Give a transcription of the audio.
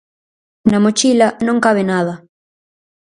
Na mochila non cabe nada.